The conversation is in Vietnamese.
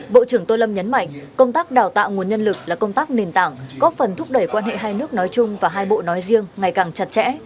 bộ trưởng tô lâm nhấn mạnh công tác đào tạo nguồn nhân lực là công tác nền tảng có phần thúc đẩy quan hệ hai nước nói chung và hai bộ nói riêng ngày càng chặt chẽ